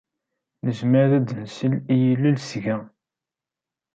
Nezmer ad as-nsel i yilel seg-a.